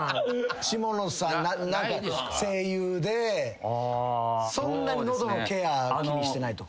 下野さん何か声優でそんなに喉のケア気にしてないとか。